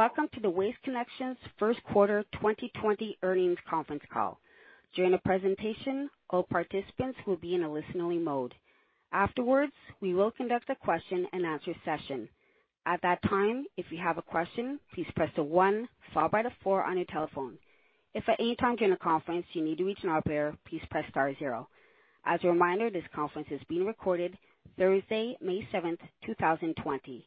Welcome to the Waste Connections first quarter 2020 earnings conference call. During the presentation, all participants will be in a listening mode. Afterwards, we will conduct a question and answer session. At that time, if you have a question, please press the one followed by the four on your telephone. If at any time during the conference you need to reach an operator, please press star zero. As a reminder, this conference is being recorded Thursday, May 7, 2020.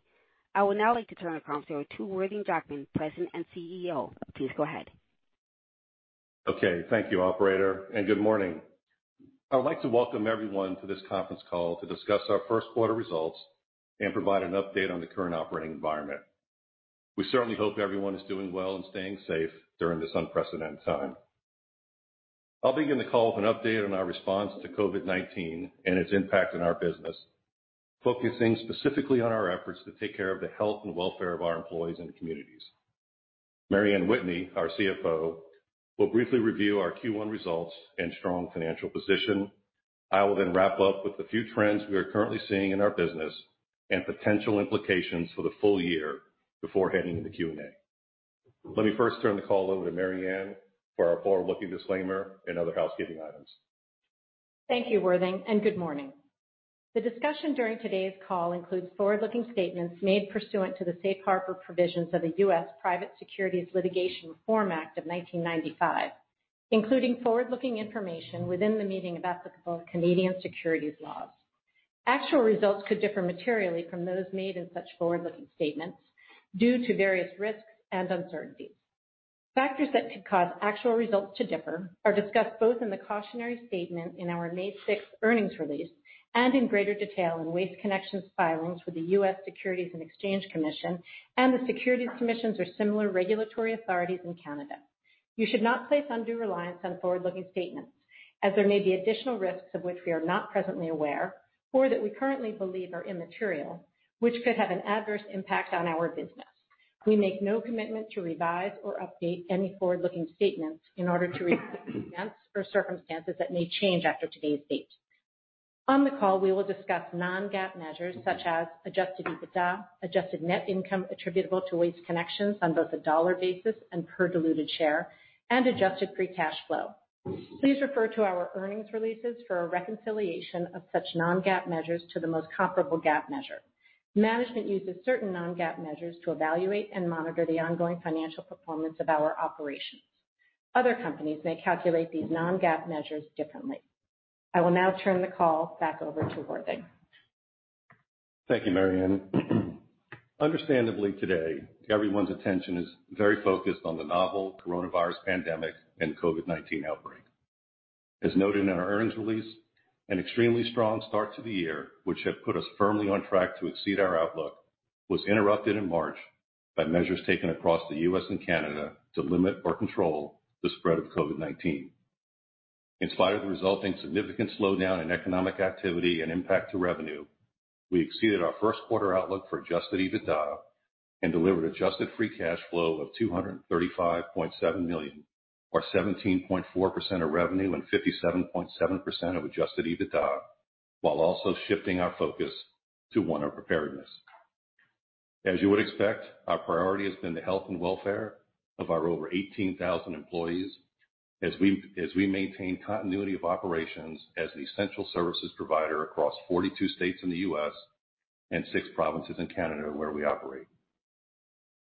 I would now like to turn the conference over to Worthing Jackman, President and CEO. Please go ahead. Okay. Thank you, operator, good morning. I would like to welcome everyone to this conference call to discuss our first quarter results and provide an update on the current operating environment. We certainly hope everyone is doing well and staying safe during this unprecedented time. I'll begin the call with an update on our response to COVID-19 and its impact on our business, focusing specifically on our efforts to take care of the health and welfare of our employees and communities. Mary Anne Whitney, our CFO, will briefly review our Q1 results and strong financial position. I will wrap up with a few trends we are currently seeing in our business and potential implications for the full year before heading to the Q&A. Let me first turn the call over to Mary Anne for our forward-looking disclaimer and other housekeeping items. Thank you, Worthing, and good morning. The discussion during today's call includes forward-looking statements made pursuant to the safe harbor provisions of the US Private Securities Litigation Reform Act of 1995, including forward-looking information within the meaning of applicable Canadian securities laws. Actual results could differ materially from those made in such forward-looking statements due to various risks and uncertainties. Factors that could cause actual results to differ are discussed both in the cautionary statement in our May 6th earnings release and in greater detail in Waste Connections's filings with the US Securities and Exchange Commission and the Securities Commissions or similar regulatory authorities in Canada. You should not place undue reliance on forward-looking statements as there may be additional risks of which we are not presently aware or that we currently believe are immaterial, which could have an adverse impact on our business. We make no commitment to revise or update any forward-looking statement in order to reflect events or circumstances that may change after today's date. On the call, we will discuss non-GAAP measures such as adjusted EBITDA, adjusted net income attributable to Waste Connections on both a dollar basis and per diluted share, and adjusted free cash flow. Please refer to our earnings releases for a reconciliation of such non-GAAP measures to the most comparable GAAP measure. Management uses certain non-GAAP measures to evaluate and monitor the ongoing financial performance of our operations. Other companies may calculate these non-GAAP measures differently. I will now turn the call back over to Worthing. Thank you, Mary Anne. Understandably today, everyone's attention is very focused on the novel coronavirus pandemic and COVID-19 outbreak. As noted in our earnings release, an extremely strong start to the year, which had put us firmly on track to exceed our outlook, was interrupted in March by measures taken across the U.S. and Canada to limit or control the spread of COVID-19. In spite of the resulting significant slowdown in economic activity and impact to revenue, we exceeded our first quarter outlook for adjusted EBITDA and delivered adjusted free cash flow of $235.7 million, or 17.4% of revenue and 57.7% of adjusted EBITDA, while also shifting our focus to one of preparedness. As you would expect, our priority has been the health and welfare of our over 18,000 employees as we maintain continuity of operations as the essential services provider across 42 states in the U.S. and six provinces in Canada where we operate.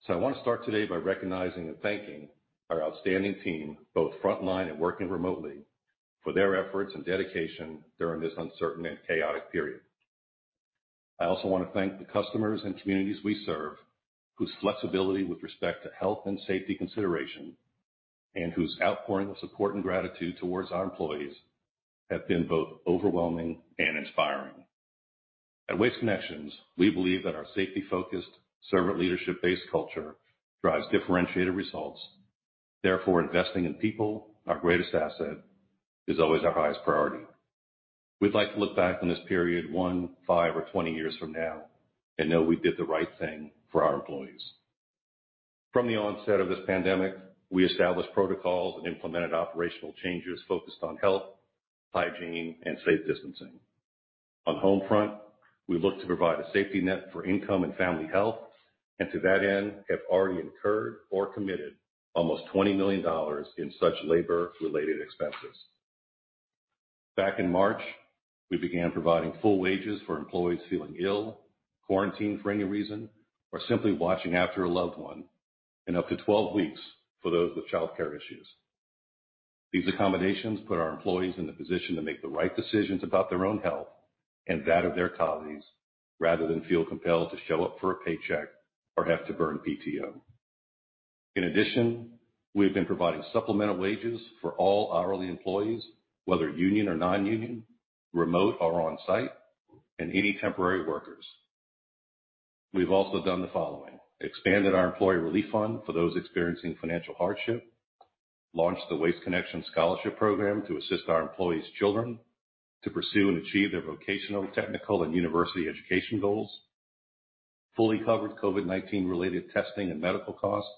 I want to start today by recognizing and thanking our outstanding team, both frontline and working remotely, for their efforts and dedication during this uncertain and chaotic period. I also want to thank the customers and communities we serve, whose flexibility with respect to health and safety consideration and whose outpouring of support and gratitude towards our employees have been both overwhelming and inspiring. At Waste Connections, we believe that our safety-focused servant leadership-based culture drives differentiated results, therefore, investing in people, our greatest asset, is always our highest priority. We'd like to look back on this period one, five, or 20 years from now and know we did the right thing for our employees. From the onset of this pandemic, we established protocols and implemented operational changes focused on health, hygiene, and safe distancing. On home front, we look to provide a safety net for income and family health, and to that end, have already incurred or committed almost $20 million in such labor-related expenses. Back in March, we began providing full wages for employees feeling ill, quarantined for any reason, or simply watching after a loved one, and up to 12 weeks for those with childcare issues. These accommodations put our employees in the position to make the right decisions about their own health and that of their colleagues, rather than feel compelled to show up for a paycheck or have to burn PTO. In addition, we have been providing supplemental wages for all hourly employees, whether union or non-union, remote or on-site, and any temporary workers. We've also done the following: expanded our employee relief fund for those experiencing financial hardship, launched the Waste Connections Scholarship Program to assist our employees' children to pursue and achieve their vocational, technical, and university education goals, fully covered COVID-19 related testing and medical costs,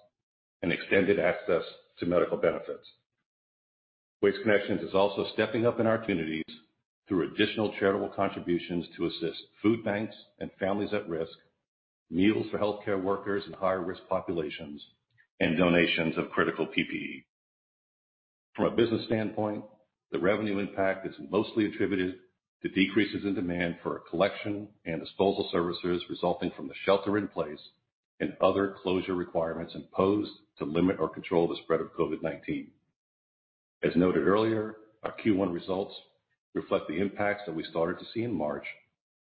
and extended access to medical benefits. Waste Connections is also stepping up in our communities through additional charitable contributions to assist food banks and families at risk, meals for healthcare workers in high-risk populations, and donations of critical PPE. From a business standpoint, the revenue impact is mostly attributed to decreases in demand for collection and disposal services resulting from the shelter in place and other closure requirements imposed to limit or control the spread of COVID-19. As noted earlier, our Q1 results reflect the impacts that we started to see in March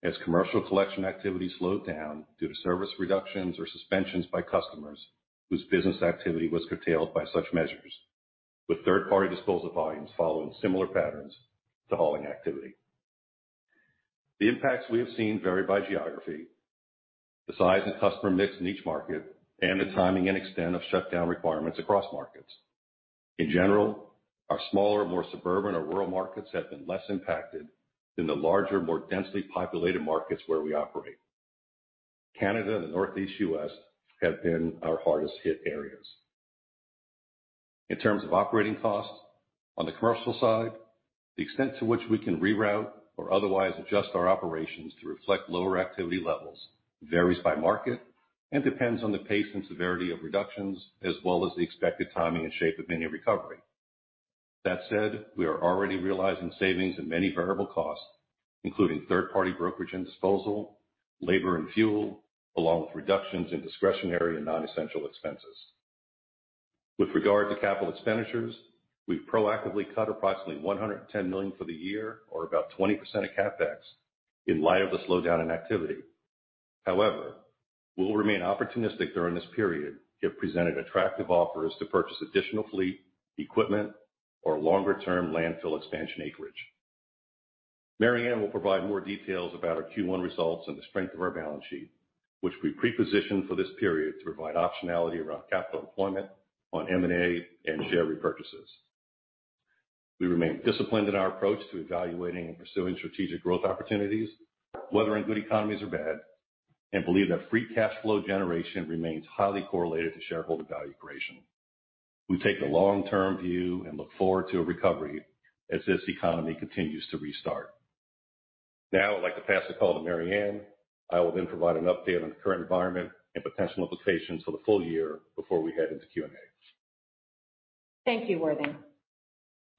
as commercial collection activity slowed down due to service reductions or suspensions by customers whose business activity was curtailed by such measures, with third-party disposal volumes following similar patterns to hauling activity. The impacts we have seen vary by geography, the size and customer mix in each market, and the timing and extent of shutdown requirements across markets. In general, our smaller, more suburban or rural markets have been less impacted than the larger, more densely populated markets where we operate. Canada and the Northeast U.S. have been our hardest hit areas. In terms of operating costs, on the commercial side, the extent to which we can reroute or otherwise adjust our operations to reflect lower activity levels varies by market and depends on the pace and severity of reductions, as well as the expected timing and shape of any recovery. We are already realizing savings in many variable costs, including third-party brokerage and disposal, labor and fuel, along with reductions in discretionary and non-essential expenses. With regard to capital expenditures, we've proactively cut approximately $110 million for the year or about 20% of CapEx in light of the slowdown in activity. We will remain opportunistic during this period if presented attractive offers to purchase additional fleet, equipment, or longer-term landfill expansion acreage. Mary Anne will provide more details about our Q1 results and the strength of our balance sheet, which we pre-positioned for this period to provide optionality around capital deployment on M&A and share repurchases. We remain disciplined in our approach to evaluating and pursuing strategic growth opportunities, whether in good economies or bad, and believe that free cash flow generation remains highly correlated to shareholder value creation. We take the long-term view and look forward to a recovery as this economy continues to restart. Now, I'd like to pass the call to Mary Anne. I will then provide an update on the current environment and potential implications for the full year before we head into Q&A. Thank you, Worthing.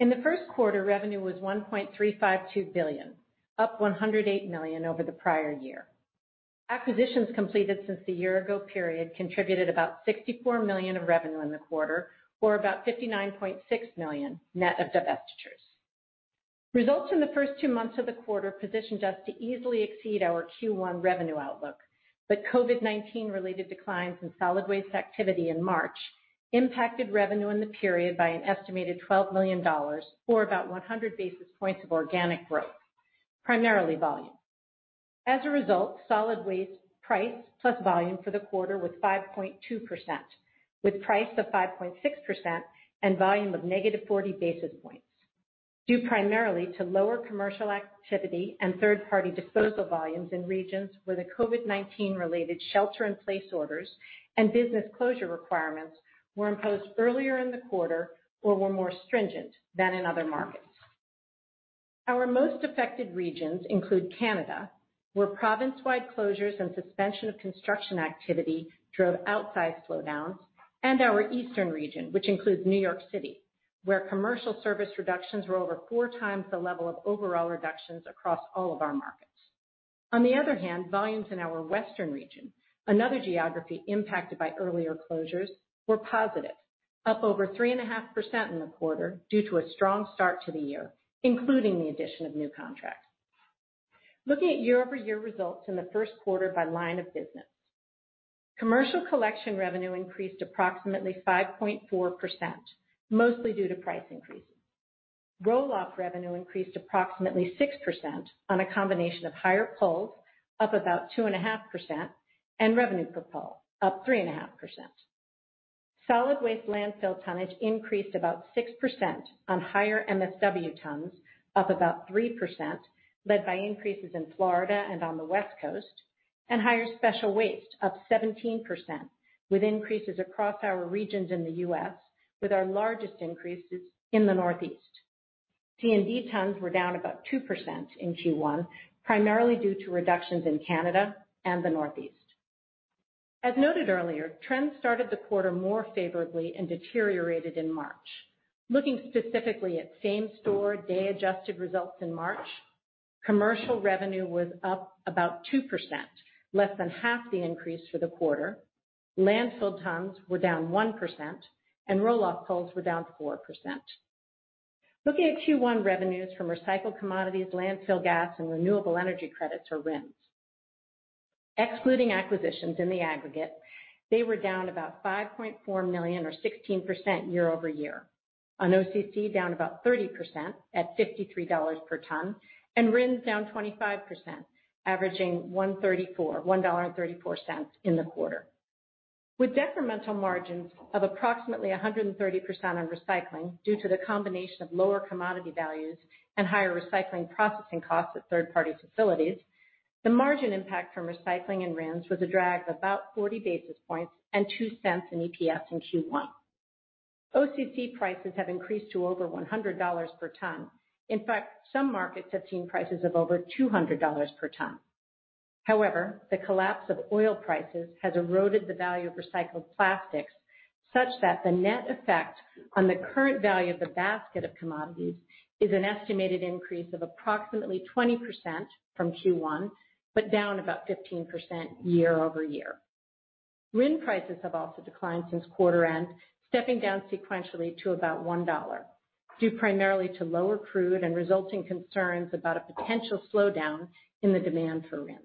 In the first quarter, revenue was $1.352 billion, up $108 million over the prior year. Acquisitions completed since the year-ago period contributed about $64 million of revenue in the quarter, or about $59.6 million net of divestitures. Results in the first two months of the quarter positioned us to easily exceed our Q1 revenue outlook. COVID-19 related declines in solid waste activity in March impacted revenue in the period by an estimated $12 million or about 100 basis points of organic growth, primarily volume. As a result, solid waste price plus volume for the quarter was 5.2%, with price of 5.6% and volume of negative 40 basis points, due primarily to lower commercial activity and third-party disposal volumes in regions where the COVID-19 related shelter in place orders and business closure requirements were imposed earlier in the quarter or were more stringent than in other markets. Our most affected regions include Canada, where province-wide closures and suspension of construction activity drove outsized slowdowns, and our Eastern Region, which includes New York City, where commercial service reductions were over four times the level of overall reductions across all of our markets. On the other hand, volumes in our Western Region, another geography impacted by earlier closures, were positive, up over 3.5% in the quarter due to a strong start to the year, including the addition of new contracts. Looking at year-over-year results in the first quarter by line of business. Commercial collection revenue increased approximately 5.4%, mostly due to price increases. Roll-off revenue increased approximately 6% on a combination of higher pulls, up about 2.5%, and revenue per pull, up 3.5%. Solid waste landfill tonnage increased about 6% on higher MSW tons, up about 3%, led by increases in Florida and on the West Coast, and higher special waste up 17%, with increases across our regions in the U.S., with our largest increases in the Northeast. C&D tons were down about 2% in Q1, primarily due to reductions in Canada and the Northeast. As noted earlier, trends started the quarter more favorably and deteriorated in March. Looking specifically at same-store, day-adjusted results in March, commercial revenue was up about 2%, less than half the increase for the quarter, landfill tons were down 1%, and roll-off pulls were down 4%. Looking at Q1 revenues from recycled commodities, landfill gas, and renewable energy credits or RINs. Excluding acquisitions in the aggregate, they were down about $5.4 million or 16% year-over-year, on OCC down about 30% at $53 per ton, and RINs down 25%, averaging $1.34 in the quarter. With incremental margins of approximately 130% on recycling due to the combination of lower commodity values and higher recycling processing costs at third-party facilities, the margin impact from recycling and RINs was a drag of about 40 basis points and $0.02 in EPS in Q1. OCC prices have increased to over $100 per ton. In fact, some markets have seen prices of over $200 per ton. However, the collapse of oil prices has eroded the value of recycled plastics, such that the net effect on the current value of the basket of commodities is an estimated increase of approximately 20% from Q1, but down about 15% year-over-year. RIN prices have also declined since quarter end, stepping down sequentially to about $1, due primarily to lower crude and resulting concerns about a potential slowdown in the demand for RINs.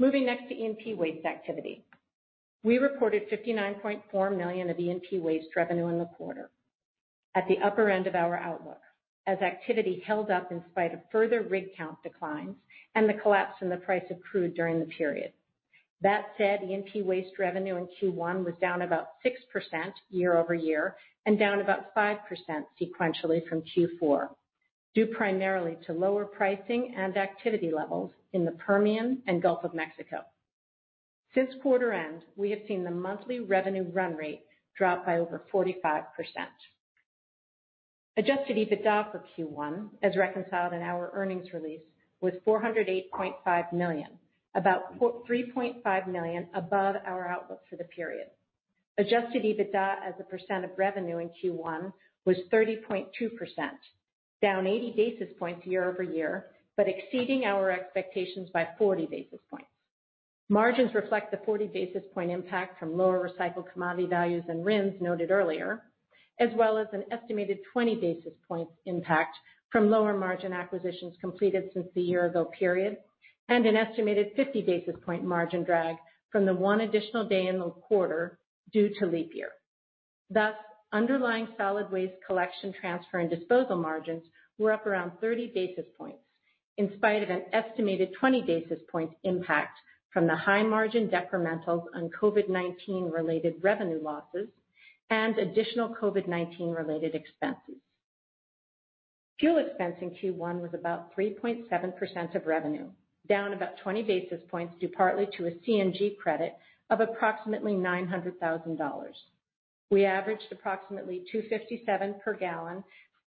Moving next to E&P waste activity. We reported $59.4 million of E&P waste revenue in the quarter, at the upper end of our outlook, as activity held up in spite of further rig count declines and the collapse in the price of crude during the period. That said, E&P waste revenue in Q1 was down about 6% year-over-year, and down about 5% sequentially from Q4, due primarily to lower pricing and activity levels in the Permian and Gulf of Mexico. Since quarter end, we have seen the monthly revenue run rate drop by over 45%. Adjusted EBITDA for Q1, as reconciled in our earnings release, was $408.5 million, about $3.5 million above our outlook for the period. Adjusted EBITDA as a percent of revenue in Q1 was 30.2%, down 80 basis points year-over-year, but exceeding our expectations by 40 basis points. Margins reflect the 40 basis point impact from lower recycled commodity values and RINs noted earlier, as well as an estimated 20 basis points impact from lower margin acquisitions completed since the year-ago period, and an estimated 50 basis point margin drag from the one additional day in the quarter due to leap year. Underlying solid waste collection transfer and disposal margins were up around 30 basis points, in spite of an estimated 20 basis points impact from the high margin decrementals on COVID-19 related revenue losses and additional COVID-19 related expenses. Fuel expense in Q1 was about 3.7% of revenue, down about 20 basis points, due partly to a CNG credit of approximately $900,000. We averaged approximately $2.57 per gallon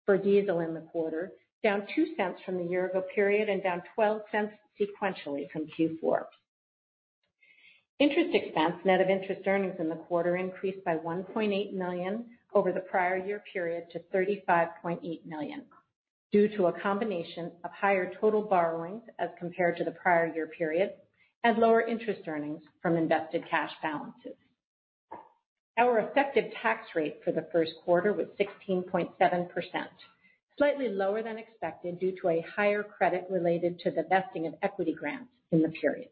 for diesel in the quarter, down $0.02 from the year-ago period and down $0.12 sequentially from Q4. Interest expense, net of interest earnings in the quarter, increased by $1.8 million over the prior year period to $35.8 million, due to a combination of higher total borrowings as compared to the prior year period, and lower interest earnings from invested cash balances. Our effective tax rate for the first quarter was 16.7%, slightly lower than expected due to a higher credit related to the vesting of equity grants in the period.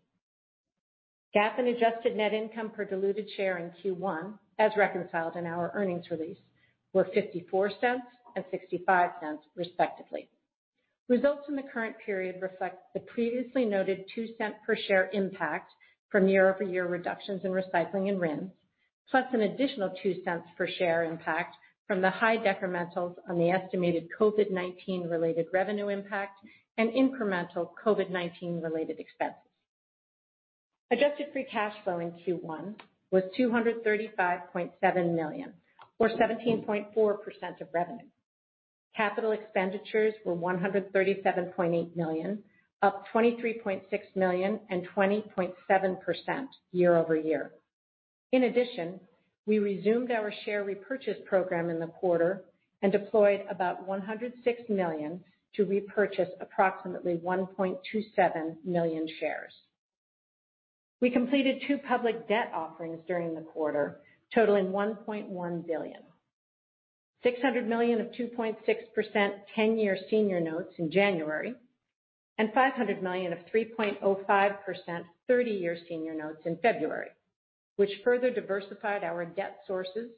GAAP and adjusted net income per diluted share in Q1, as reconciled in our earnings release, were $0.54 and $0.65 respectively. Results from the current period reflect the previously noted $0.02 per share impact from year-over-year reductions in recycling and RINs, plus an additional $0.02 per share impact from the high decrementals on the estimated COVID-19 related revenue impact and incremental COVID-19 related expenses. Adjusted free cash flow in Q1 was $235.7 million, or 17.4% of revenue. Capital expenditures were $137.8 million, up $23.6 million and 20.7% year-over-year. In addition, we resumed our share repurchase program in the quarter and deployed about $106 million to repurchase approximately 1.27 million shares. We completed two public debt offerings during the quarter, totaling $1.1 billion. $600 million of 2.6% 10-year senior notes in January, and $500 million of 3.05% 30-year senior notes in February, which further diversified our debt sources,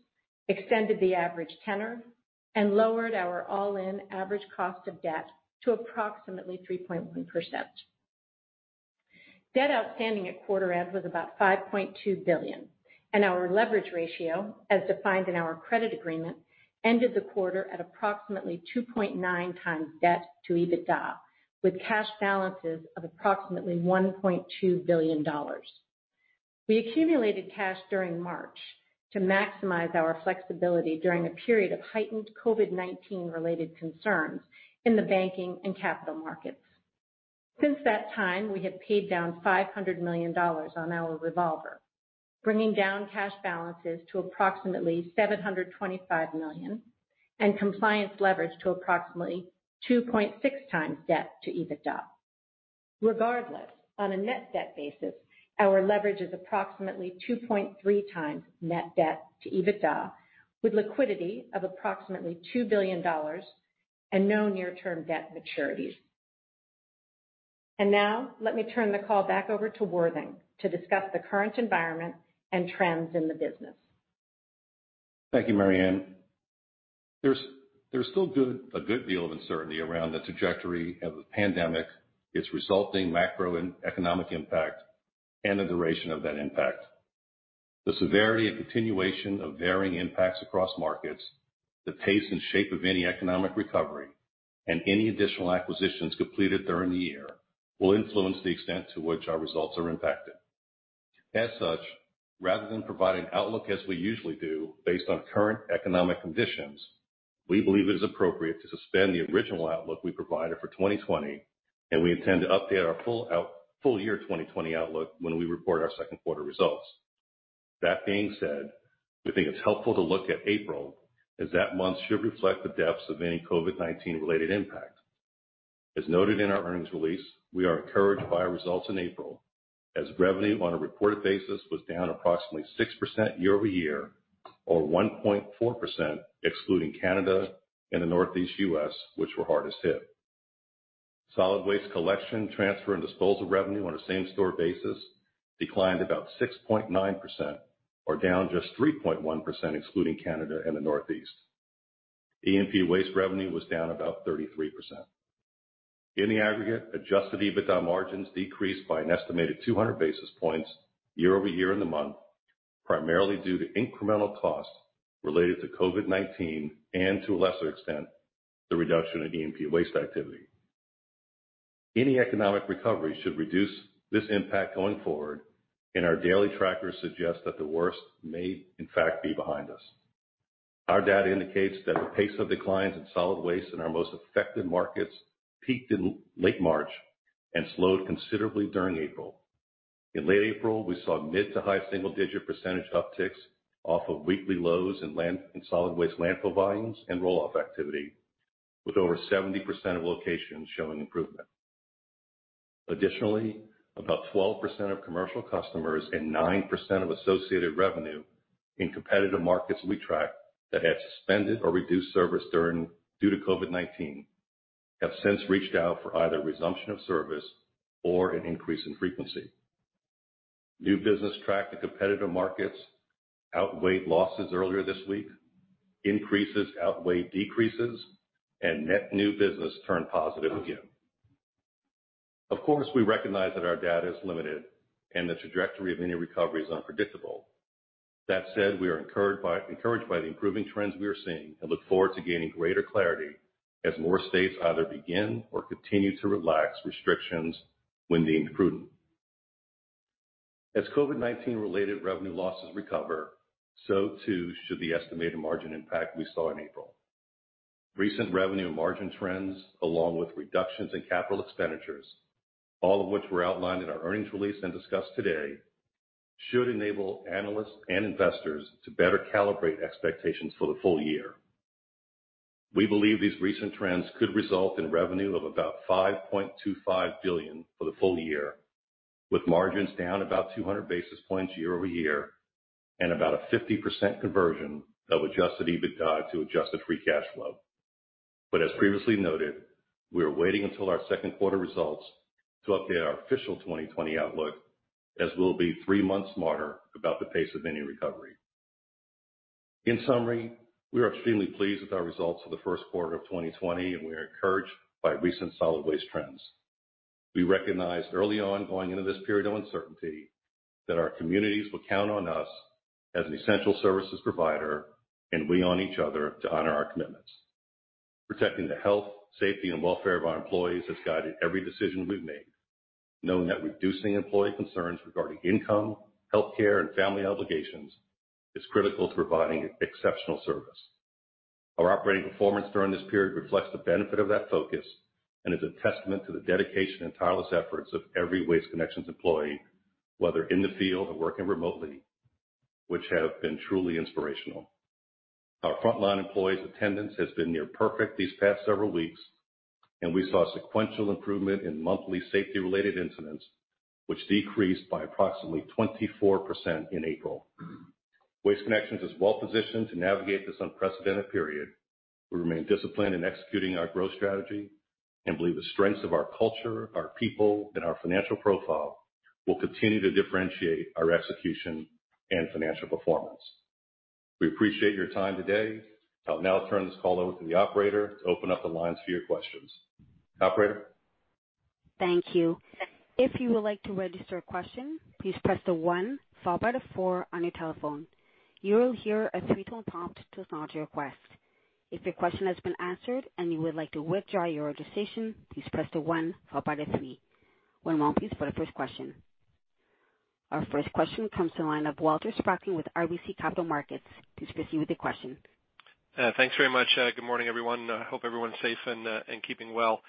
extended the average tenor, and lowered our all-in average cost of debt to approximately 3.1%. Debt outstanding at quarter end was about $5.2 billion. Our leverage ratio, as defined in our credit agreement, ended the quarter at approximately 2.9 times debt to EBITDA, with cash balances of approximately $1.2 billion. We accumulated cash during March to maximize our flexibility during a period of heightened COVID-19 related concerns in the banking and capital markets. Since that time, we have paid down $500 million on our revolver, bringing down cash balances to approximately $725 million and compliance leverage to approximately 2.6 times debt to EBITDA. Regardless, on a net debt basis, our leverage is approximately 2.3 times net debt to EBITDA, with liquidity of approximately $2 billion and no near-term debt maturities. Now, let me turn the call back over to Worthing to discuss the current environment and trends in the business. Thank you, Mary Anne. There's still a good deal of uncertainty around the trajectory of the pandemic, its resulting macroeconomic impact, and the duration of that impact. The severity and continuation of varying impacts across markets, the pace and shape of any economic recovery, and any additional acquisitions completed during the year, will influence the extent to which our results are impacted. As such, rather than provide an outlook as we usually do based on current economic conditions, we believe it is appropriate to suspend the original outlook we provided for 2020, and we intend to update our full year 2020 outlook when we report our second quarter results. That being said, we think it's helpful to look at April, as that month should reflect the depths of any COVID-19 related impact. As noted in our earnings release, we are encouraged by our results in April, as revenue on a reported basis was down approximately 6% year-over-year or 1.4% excluding Canada and the Northeast U.S., which were hardest hit. Solid waste collection, transfer, and disposal revenue on a same-store basis declined about 6.9%, or down just 3.1% excluding Canada and the Northeast. E&P waste revenue was down about 33%. In the aggregate, adjusted EBITDA margins decreased by an estimated 200 basis points year-over-year in the month, primarily due to incremental costs related to COVID-19 and, to a lesser extent, the reduction in E&P waste activity. Any economic recovery should reduce this impact going forward. Our daily trackers suggest that the worst may, in fact, be behind us. Our data indicates that the pace of declines in solid waste in our most affected markets peaked in late March and slowed considerably during April. In late April, we saw mid to high single-digit percentage upticks off of weekly lows in solid waste landfill volumes and roll-off activity, with over 70% of locations showing improvement. Additionally, about 12% of commercial customers and 9% of associated revenue in competitive markets we track that have suspended or reduced service due to COVID-19, have since reached out for either resumption of service or an increase in frequency. New business tracked to competitive markets outweighed losses earlier this week, increases outweighed decreases, and net new business turned positive again. Of course, we recognize that our data is limited and the trajectory of any recovery is unpredictable. That said, we are encouraged by the improving trends we are seeing and look forward to gaining greater clarity as more states either begin or continue to relax restrictions when deemed prudent. As COVID-19 related revenue losses recover, so too should the estimated margin impact we saw in April. Recent revenue and margin trends, along with reductions in capital expenditures, all of which were outlined in our earnings release and discussed today, should enable analysts and investors to better calibrate expectations for the full year. We believe these recent trends could result in revenue of about $5.25 billion for the full year, with margins down about 200 basis points year-over-year, and about a 50% conversion of adjusted EBITDA to adjusted free cash flow. As previously noted, we are waiting until our second quarter results to update our official 2020 outlook, as we'll be three months smarter about the pace of any recovery. In summary, we are extremely pleased with our results for the first quarter of 2020, and we are encouraged by recent solid waste trends. We recognized early on going into this period of uncertainty that our communities would count on us as an essential services provider and we on each other to honor our commitments. Protecting the health, safety, and welfare of our employees has guided every decision we've made, knowing that reducing employee concerns regarding income, healthcare, and family obligations is critical to providing exceptional service. Our operating performance during this period reflects the benefit of that focus and is a testament to the dedication and tireless efforts of every Waste Connections employee, whether in the field or working remotely, which have been truly inspirational. Our frontline employees' attendance has been near perfect these past several weeks. We saw sequential improvement in monthly safety-related incidents, which decreased by approximately 24% in April. Waste Connections is well positioned to navigate this unprecedented period. We remain disciplined in executing our growth strategy and believe the strengths of our culture, our people, and our financial profile will continue to differentiate our execution and financial performance. We appreciate your time today. I'll now turn this call over to the operator to open up the lines for your questions. Operator? Thank you. If you would like to register a question, please press the one followed by the four on your telephone. You will hear a three-tone prompt to acknowledge your request. If your question has been answered and you would like to withdraw your registration, please press the one followed by the three. One moment please for the first question. Our first question comes to the line of Walter Spracklin with RBC Capital Markets. Please proceed with your question. Thanks very much. Good morning, everyone. Hope everyone's safe and keeping well.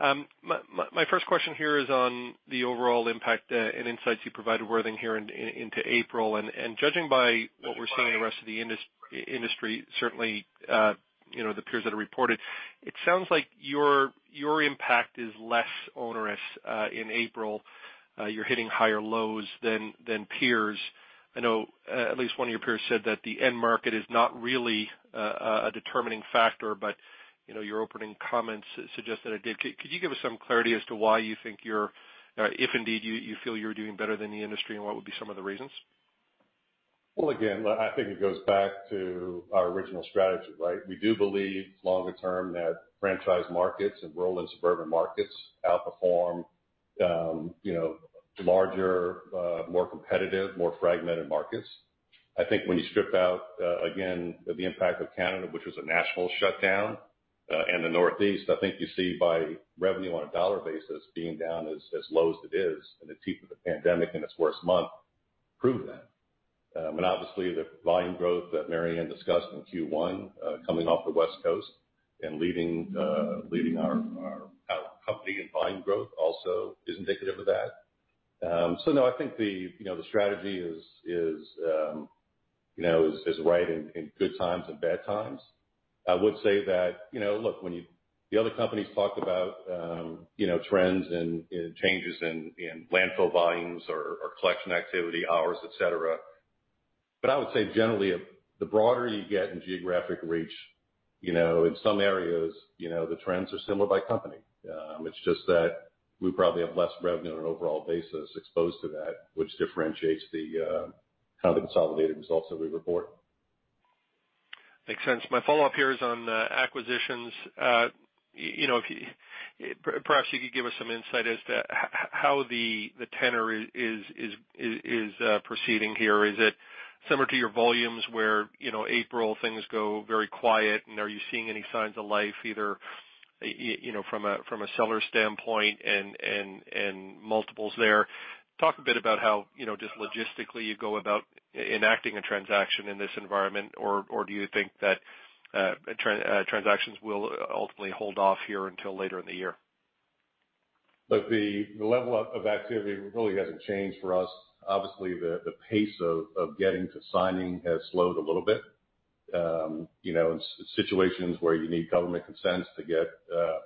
My first question here is on the overall impact and insights you provided, Worthing, here into April. Judging by what we're seeing in the rest of the industry, certainly, the peers that have reported, it sounds like your impact is less onerous in April. You're hitting higher lows than peers. I know at least one of your peers said that the end market is not really a determining factor, but your opening comments suggest that it did. Could you give us some clarity as to why you think you're, if indeed you feel you're doing better than the industry, and what would be some of the reasons? Well, again, I think it goes back to our original strategy, right? We do believe longer term that franchise markets and rural and suburban markets outperform larger, more competitive, more fragmented markets. I think when you strip out, again, the impact of Canada, which was a national shutdown, and the Northeast, I see by revenue on a dollar basis being down as low as it is in the teeth of the pandemic in its worst month prove that. Obviously the volume growth that Mary Anne discussed in Q1 coming off the West Coast and leading our company in volume growth also is indicative of that. No, I think the strategy is right in good times and bad times. I would say that, look, when the other companies talk about trends and changes in landfill volumes or collection activity hours, et cetera. I would say generally, the broader you get in geographic reach, in some areas, the trends are similar by company. It's just that we probably have less revenue on an overall basis exposed to that, which differentiates the kind of consolidated results that we report. Makes sense. My follow-up here is on acquisitions. Perhaps you could give us some insight as to how the tenor is proceeding here. Is it similar to your volumes where April, things go very quiet, and are you seeing any signs of life either from a seller standpoint and multiples there? Talk a bit about how just logistically you go about enacting a transaction in this environment, or do you think that transactions will ultimately hold off here until later in the year? Look, the level of activity really hasn't changed for us. Obviously, the pace of getting to signing has slowed a little bit. In situations where you need government consent to get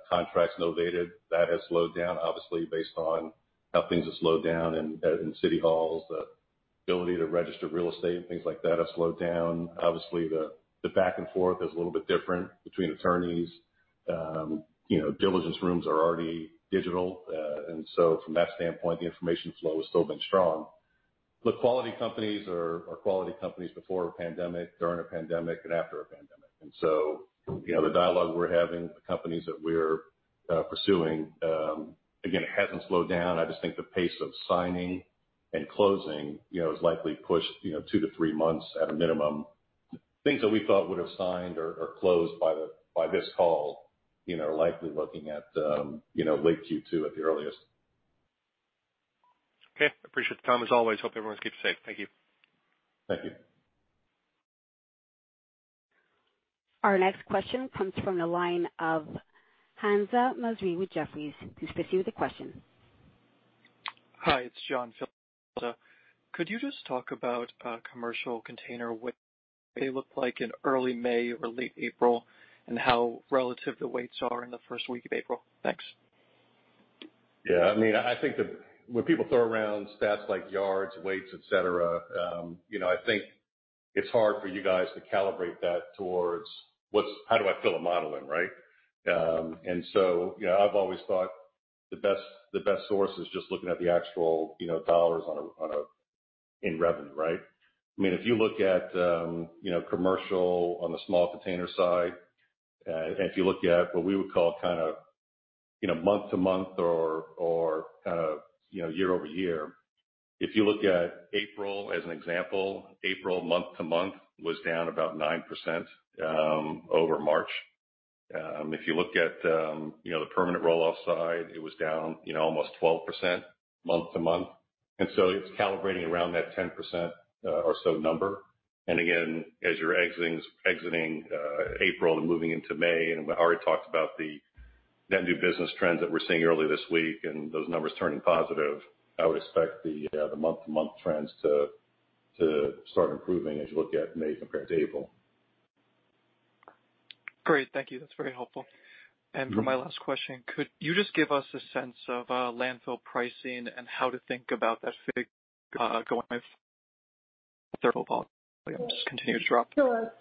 contracts novated, that has slowed down obviously based on how things have slowed down in city halls. The ability to register real estate and things like that have slowed down. Obviously, the back and forth is a little bit different between attorneys. Diligence rooms are already digital. From that standpoint, the information flow has still been strong. Look, quality companies are quality companies before a pandemic, during a pandemic, and after a pandemic. The dialogue we're having, the companies that we're pursuing, again, it hasn't slowed down. I just think the pace of signing and closing is likely pushed two-three months at a minimum. Things that we thought would have signed or closed by this call, are likely looking at late Q2 at the earliest. Okay. Appreciate the time as always. Hope everyone keeps safe. Thank you. Thank you. Our next question comes from the line of Hamzah Mazari with Jefferies. Please proceed with your question. Hi, it's John Filda. Could you just talk about commercial container, what they look like in early May or late April, and how relative the weights are in the first week of April? Thanks. Yeah. I think that when people throw around stats like yards, weights, et cetera, I think it's hard for you guys to calibrate that towards how do I fill a model in, right? I've always thought the best source is just looking at the actual dollars in revenue, right? If you look at commercial on the small container side, and if you look at what we would call month-to-month or year-over-year. If you look at April as an example, April month-to-month was down about 9% over March. If you look at the permanent roll-off side, it was down almost 12% month-to-month. It's calibrating around that 10% or so number. Again, as you're exiting April and moving into May, and we already talked about the net new business trends that we're seeing early this week and those numbers turning positive, I would expect the month-to-month trends to start improving as you look at May compared to April. Great, thank you. That's very helpful. For my last question, could you just give us a sense of landfill pricing and how to think about that figure going just continue to drop? Sure,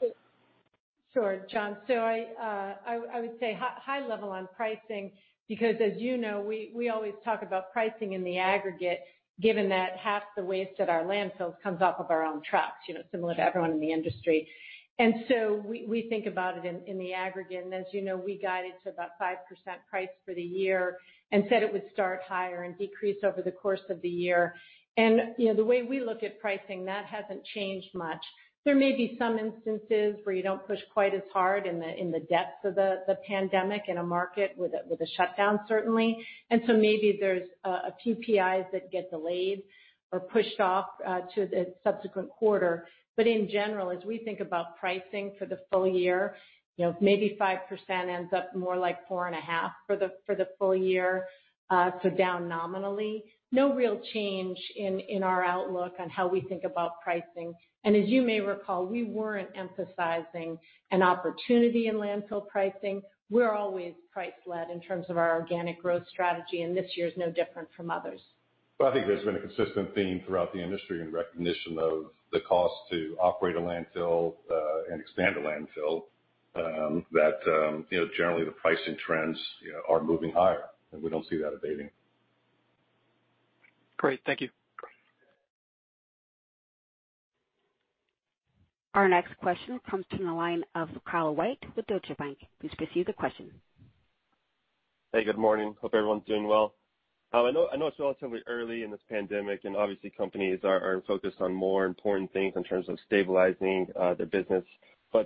John. I would say high level on pricing, because as you know, we always talk about pricing in the aggregate, given that half the waste at our landfills comes off of our own trucks, similar to everyone in the industry. We think about it in the aggregate. As you know, we guided to about 5% price for the year and said it would start higher and decrease over the course of the year. The way we look at pricing, that hasn't changed much. There may be some instances where you don't push quite as hard in the depths of the pandemic in a market with a shutdown, certainly. Maybe there's a PPI that gets delayed or pushed off to the subsequent quarter. In general, as we think about pricing for the full year, maybe 5% ends up more like four and a half for the full year, so down nominally. No real change in our outlook on how we think about pricing. As you may recall, we weren't emphasizing an opportunity in landfill pricing. We're always price-led in terms of our organic growth strategy, and this year is no different from others. Well, I think there's been a consistent theme throughout the industry and recognition of the cost to operate a landfill, and expand a landfill, that generally the pricing trends are moving higher, and we don't see that abating. Great. Thank you. Our next question comes from the line of Kyle White with Deutsche Bank. Please proceed with your question. Hey, good morning. Hope everyone's doing well. I know it's relatively early in this pandemic, Obviously companies are focused on more important things in terms of stabilizing their business.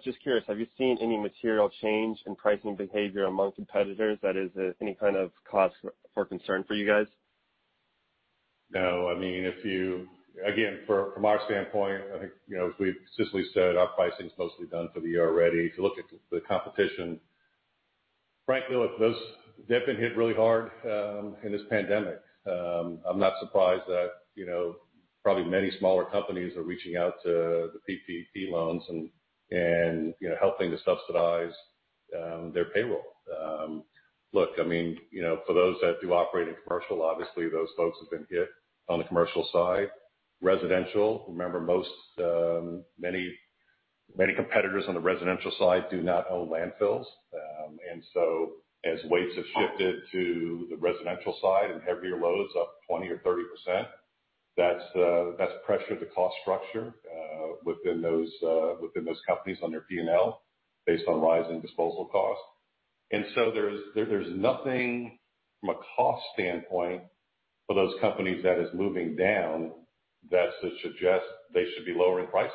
Just curious, have you seen any material change in pricing behavior among competitors that is any kind of cause for concern for you guys? No. Again, from our standpoint, I think as we've consistently said, our pricing's mostly done for the year already. To look at the competition, frankly, look, those have been hit really hard in this pandemic. I'm not surprised that probably many smaller companies are reaching out to the PPP loans and helping to subsidize their payroll. Look, for those that do operate in commercial, obviously those folks have been hit on the commercial side. Residential, remember, many competitors on the residential side do not own landfills. As weights have shifted to the residential side and heavier loads up 20% or 30%, that's pressured the cost structure within those companies on their P&L based on rising disposal costs. There's nothing from a cost standpoint for those companies that is moving down that suggests they should be lowering prices.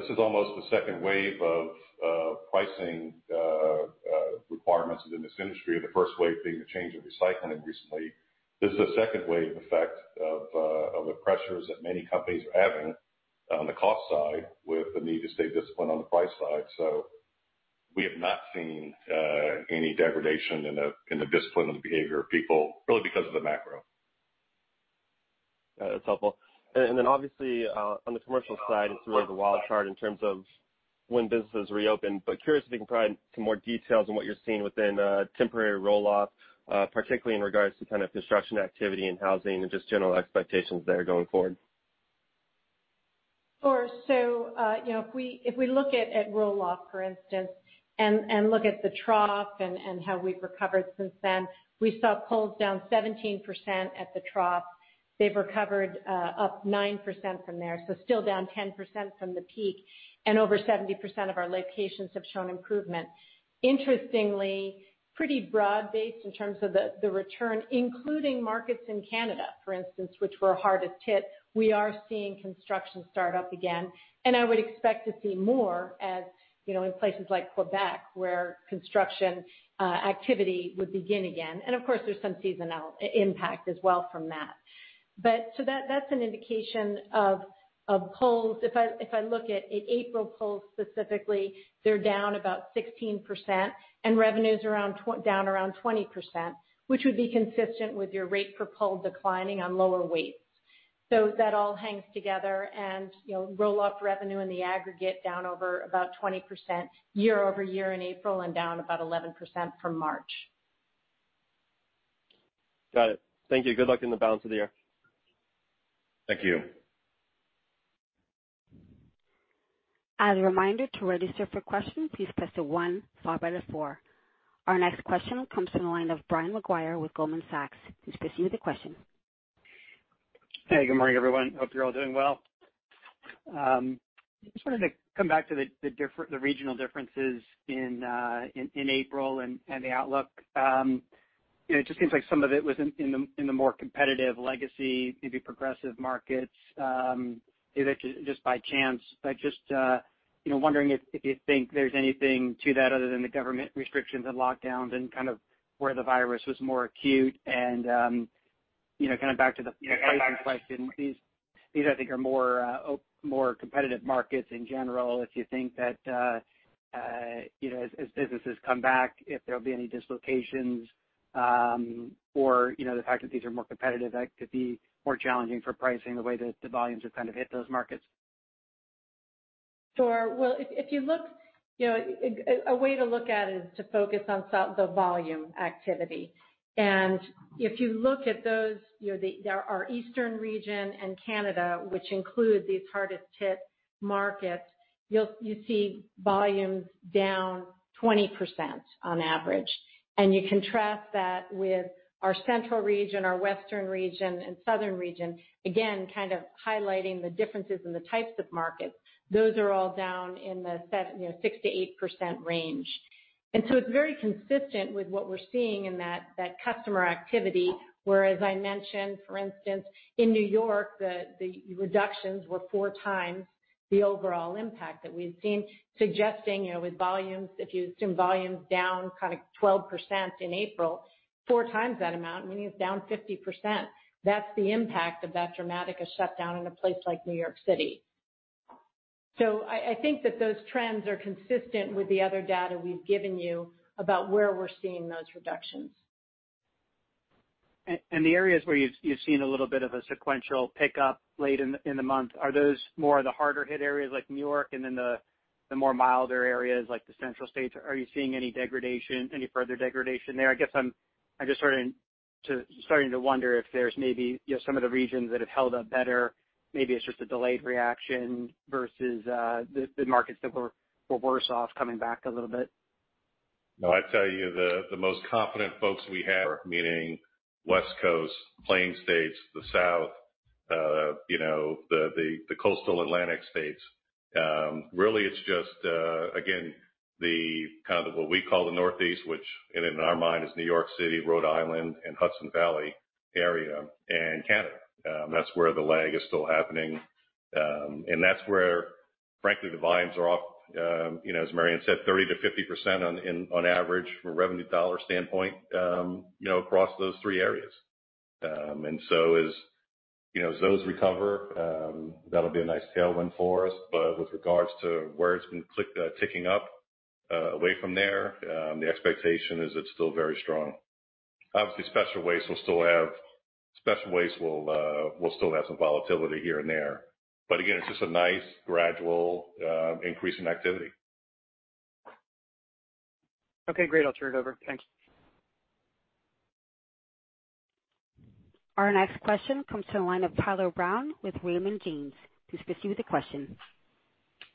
This is almost the second wave of pricing requirements within this industry, the first wave being the change of recycling recently. This is a second wave effect of the pressures that many companies are having on the cost side with the need to stay disciplined on the price side. We have not seen any degradation in the discipline and the behavior of people, really because of the macro. That's helpful. Obviously, on the commercial side, it's sort of a wild card in terms of when businesses reopen, but curious if you can provide some more details on what you're seeing within temporary roll-off, particularly in regards to kind of construction activity and housing and just general expectations there going forward. Sure. If we look at roll-off, for instance, and look at the trough and how we've recovered since then, we saw pulls down 17% at the trough. They've recovered up 9% from there, still down 10% from the peak, over 70% of our locations have shown improvement. Interestingly, pretty broad-based in terms of the return, including markets in Canada, for instance, which were hardest hit. We are seeing construction start up again, I would expect to see more in places like Quebec, where construction activity would begin again. Of course, there's some seasonal impact as well from that. That's an indication of pulls. If I look at April pulls specifically, they're down about 16%, revenues down around 20%, which would be consistent with your rate per pull declining on lower weights. That all hangs together and roll-off revenue in the aggregate down over about 20% year-over-year in April and down about 11% from March. Got it. Thank you. Good luck in the balance of the year. Thank you. As a reminder, to register for questions, please press the one followed by the four. Our next question comes from the line of Brian Maguire with Goldman Sachs. Please proceed with your question. Hey, good morning, everyone. Hope you're all doing well. Wanted to come back to the regional differences in April and the outlook. It seems like some of it was in the more competitive legacy, maybe Progressive markets, just by chance. Wondering if you think there's anything to that other than the government restrictions and lockdowns and kind of where the virus was more acute and, kind of back to the pricing question, these I think are more competitive markets in general, if you think that as businesses come back, if there'll be any dislocations or the fact that these are more competitive, that could be more challenging for pricing the way that the volumes have kind of hit those markets. Sure. Well, a way to look at it is to focus on the volume activity. If you look at those, our eastern region and Canada, which include these hardest hit markets, you see volumes down 20% on average. You contrast that with our central region, our western region, and Southern region, again, kind of highlighting the differences in the types of markets. Those are all down in the 6%-8% range. It's very consistent with what we're seeing in that customer activity, where, as I mentioned, for instance, in New York, the reductions were four times the overall impact that we've seen suggesting with volumes, if you assume volumes down kind of 12% in April, four times that amount, meaning it's down 50%. That's the impact of that dramatic a shutdown in a place like New York City. I think that those trends are consistent with the other data we've given you about where we're seeing those reductions. The areas where you've seen a little bit of a sequential pickup late in the month, are those more of the harder hit areas like New York and then the more milder areas like the central states? Are you seeing any further degradation there? I guess I'm just starting to wonder if there's maybe some of the regions that have held up better, maybe it's just a delayed reaction versus the markets that were worse off coming back a little bit. No, I'd tell you the most confident folks we have, meaning West Coast, Plains states, the South. The coastal Atlantic states. Really, it's just, again, what we call the Northeast, which in our mind is New York City, Rhode Island, and Hudson Valley area, and Canada. That's where the lag is still happening. That's where, frankly, the volumes are off, as Mary Anne said, 30%-50% on average from a revenue dollar standpoint, across those three areas. As those recover, that'll be a nice tailwind for us. With regards to where it's been ticking up, away from there, the expectation is it's still very strong. Obviously, special waste will still have some volatility here and there. Again, it's just a nice gradual increase in activity. Okay, great. I'll turn it over. Thanks. Our next question comes from the line of Tyler Brown with Raymond James. Please proceed with the question.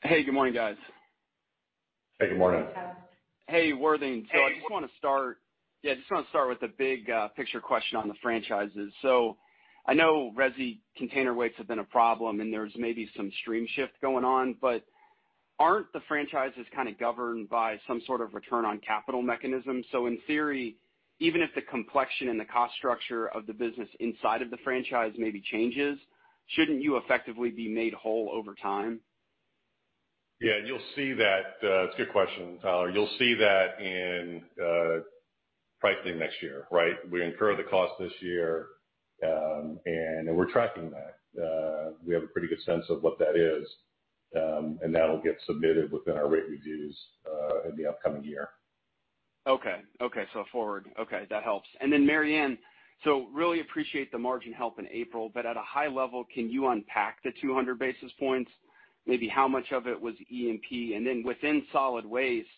Hey, good morning, guys. Hey, good morning. Hey, Tyler. Hey, Worthing. Hey. I just want to start with the big picture question on the franchises. I know resi container weights have been a problem, and there's maybe some stream shift going on, but aren't the franchises kind of governed by some sort of return on capital mechanism? In theory, even if the complexion and the cost structure of the business inside of the franchise maybe changes, shouldn't you effectively be made whole over time? Yeah. It's a good question, Tyler. You'll see that in pricing next year, right? We incur the cost this year, and we're tracking that. We have a pretty good sense of what that is, and that'll get submitted within our rate reviews, in the upcoming year. Okay. Forward. Okay. That helps. Then Mary Anne, so really appreciate the margin help in April, but at a high level, can you unpack the 200 basis points, maybe how much of it was E&P? Then within solid waste,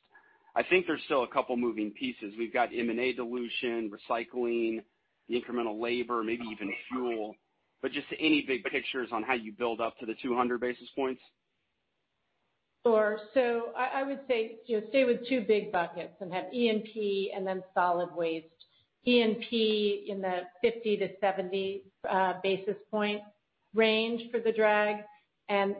I think there's still a couple moving pieces. We've got M&A dilution, recycling, the incremental labor, maybe even fuel, but just any big pictures on how you build up to the 200 basis points? Sure. I would say, just stay with two big buckets and have E&P and then solid waste. E&P in the 50 to 70 basis point range for the drag,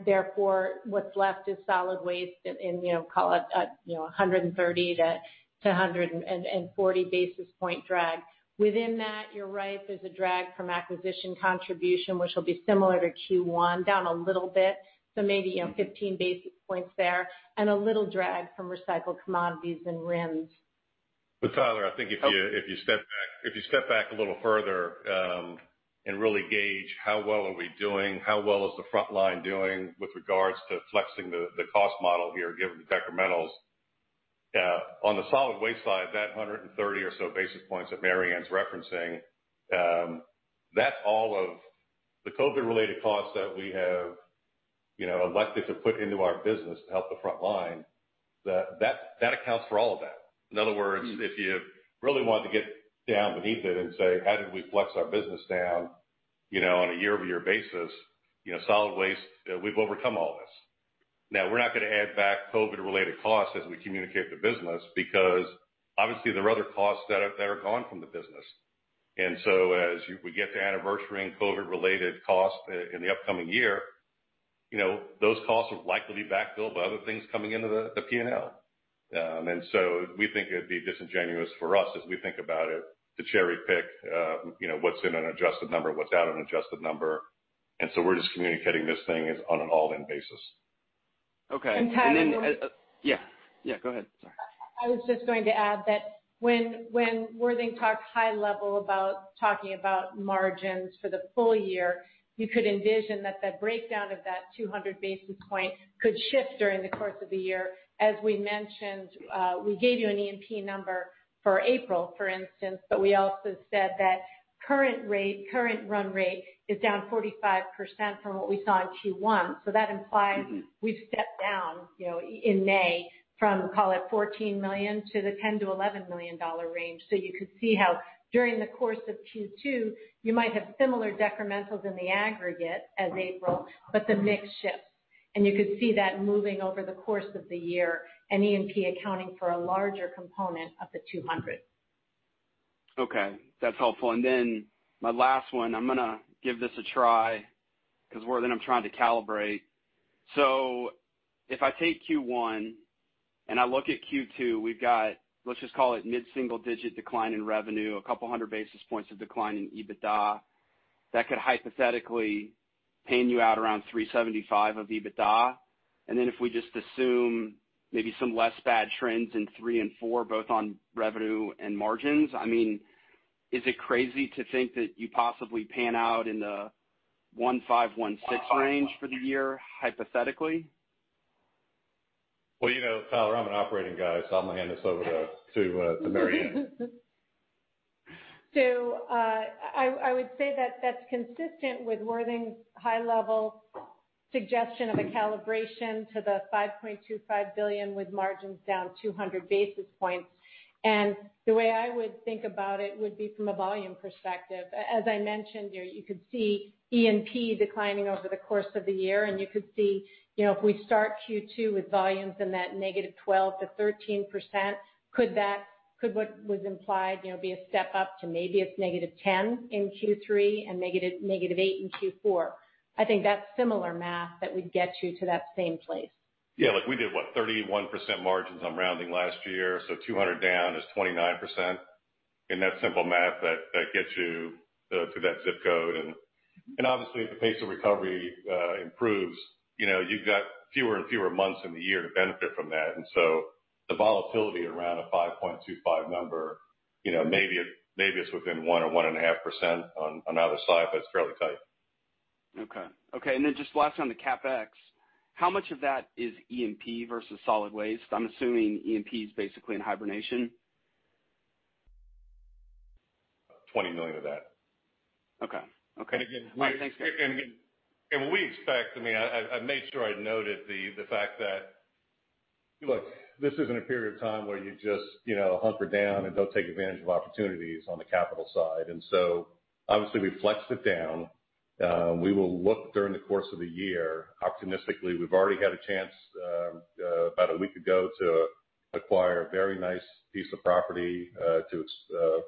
therefore, what's left is solid waste in, call it, 130 to 140 basis point drag. Within that, you're right, there's a drag from acquisition contribution, which will be similar to Q1, down a little bit, maybe, 15 basis points there, a little drag from recycled commodities and RINs. Tyler, I think if you step back a little further, and really gauge how well are we doing, how well is the frontline doing with regards to flexing the cost model here, given the decrementals. On the solid waste side, that 130 or so basis points that Mary Anne's referencing, that's all of the COVID-related costs that we have elected to put into our business to help the frontline. That accounts for all of that. In other words, if you really wanted to get down beneath it and say, "How did we flex our business down on a year-over-year basis?" Solid waste, we've overcome all this. We're not going to add back COVID-related costs as we communicate the business, because obviously there are other costs that are gone from the business. As we get to anniversary-ing COVID-related costs in the upcoming year, those costs will likely be backfilled by other things coming into the P&L. We think it'd be disingenuous for us as we think about it, to cherry-pick what's in an adjusted number, what's out an adjusted number. We're just communicating this thing as on an all-in basis. Okay. Tyler Yeah, go ahead. Sorry. I was just going to add that when Worthing talks high level about talking about margins for the full year, you could envision that the breakdown of that 200 basis point could shift during the course of the year. As we mentioned, we gave you an E&P number for April, for instance, but we also said that current run rate is down 45% from what we saw in Q1. That implies we've stepped down in May from, call it, $14 million to the $10 million-$11 million range. You could see how during the course of Q2, you might have similar decrementals in the aggregate as April, but the mix shifts, and you could see that moving over the course of the year and E&P accounting for a larger component of the 200. Okay. That's helpful. My last one, I'm going to give this a try because, Worthing, I'm trying to calibrate. If I take Q1 and I look at Q2, we've got, let's just call it mid-single-digit decline in revenue, a couple hundred basis points of decline in EBITDA. That could hypothetically pan you out around $375 of EBITDA. If we just assume maybe some less bad trends in three and four, both on revenue and margins, is it crazy to think that you possibly pan out in the $1,516 range for the year, hypothetically? Well, Tyler, I'm an operating guy, so I'm going to hand this over to Mary Anne. I would say that that's consistent with Worthing's high-level suggestion of a calibration to the $5.25 billion with margins down 200 basis points. The way I would think about it would be from a volume perspective. As I mentioned, you could see E&P declining over the course of the year, and you could see if we start Q2 with volumes in that negative 12%-13%, could what was implied be a step-up to maybe a negative 10 in Q3 and negative eight in Q4? I think that's similar math that would get you to that same place. Yeah, we did what? 31% margins on rounding last year, so 200 down is 29%, and that's simple math that gets you to that ZIP code. Obviously, if the pace of recovery improves, you've got fewer and fewer months in the year to benefit from that. The volatility around a 5.25 number, maybe it's within 1% or 1.5% on either side, but it's fairly tight. Okay. Just last on the CapEx, how much of that is E&P versus solid waste? I'm assuming E&P is basically in hibernation. $20 million of that. Okay. And again- Thanks. What we expect, I made sure I noted the fact that this isn't a period of time where you just hunker down and don't take advantage of opportunities on the capital side. Obviously we flexed it down. We will look during the course of the year. Optimistically, we've already had a chance, about a week ago, to acquire a very nice piece of property to its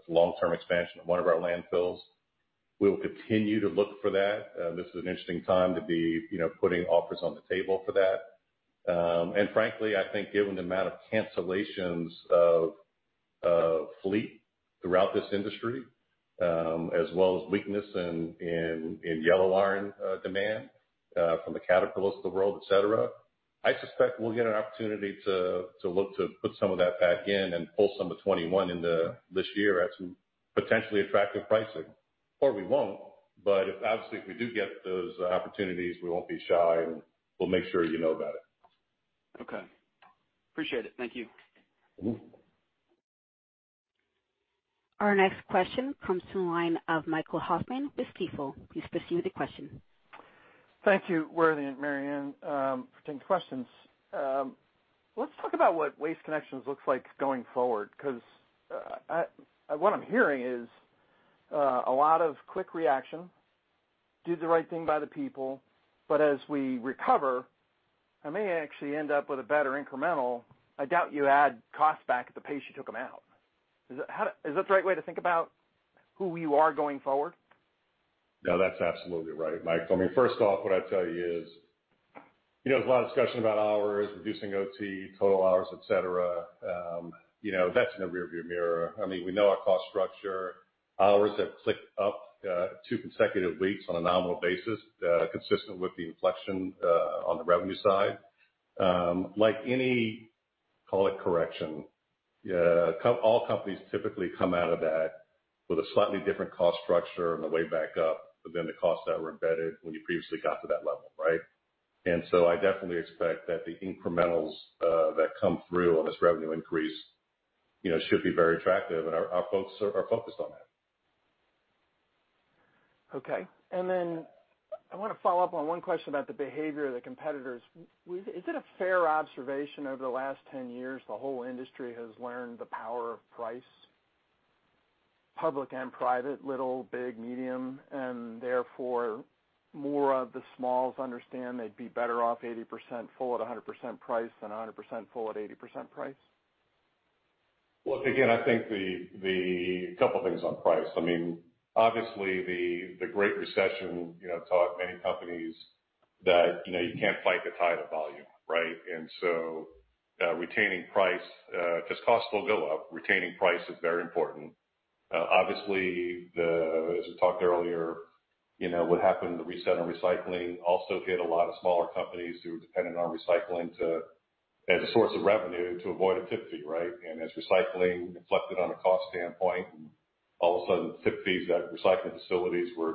long-term expansion of one of our landfills. We will continue to look for that. This is an interesting time to be putting offers on the table for that. Frankly, I think given the amount of cancellations of fleet throughout this industry, as well as weakness in yellow iron demand from the Caterpillar of the world, et cetera, I suspect we'll get an opportunity to look to put some of that back in and pull some of 2021 into this year at some potentially attractive pricing. We won't, but obviously, if we do get those opportunities, we won't be shy, and we'll make sure you know about it. Okay. Appreciate it. Thank you. Our next question comes from the line of Michael Hoffman with Stifel. Please proceed with the question. Thank you, Worthy and Mary Anne. For 10 questions. Let's talk about what Waste Connections looks like going forward, because what I'm hearing is a lot of quick reaction, did the right thing by the people, but as we recover, I may actually end up with a better incremental. I doubt you add cost back at the pace you took them out. Is that the right way to think about who you are going forward? No, that's absolutely right, Mike. First off, what I'd tell you is, there's a lot of discussion about hours, reducing OT, total hours, et cetera. That's in the rearview mirror. We know our cost structure. Hours have clicked up two consecutive weeks on a nominal basis, consistent with the inflection on the revenue side. Like any, call it correction, all companies typically come out of that with a slightly different cost structure on the way back up than the costs that were embedded when you previously got to that level. Right? I definitely expect that the incrementals that come through on this revenue increase should be very attractive, and our folks are focused on that. Okay. I want to follow up on one question about the behavior of the competitors. Is it a fair observation over the last 10 years, the whole industry has learned the power of price, public and private, little, big, medium, and therefore, more of the smalls understand they'd be better off 80% full at 100% price than 100% full at 80% price? Well, again, I think couple things on price. Obviously, the Great Recession taught many companies that you can't fight the tide of volume, right. Retaining price, because costs will go up, retaining price is very important. Obviously, as we talked earlier, what happened in the reset on recycling also hit a lot of smaller companies who were dependent on recycling as a source of revenue to avoid a tip fee, right. As recycling inflected on a cost standpoint, and all of a sudden tip fees at recycling facilities were